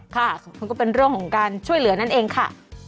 ค่ะมันก็เป็นเรื่องของการช่วยเหลือนั่นเองค่ะ